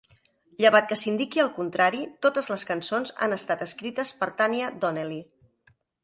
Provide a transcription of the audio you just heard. Llevat que s'indiqui el contrari, totes les cançons han estat escrites per Tanya Donelly.